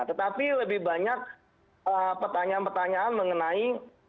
tetapi lebih banyak pertanyaan pertanyaan mengenai